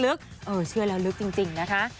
เชื่อแล้วลึกจริงนะคะ